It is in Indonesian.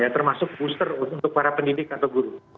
termasuk booster untuk para pendidik atau guru